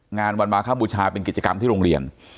งานวันมาคบูชาเป็นกิจกรรมที่โรงเรียน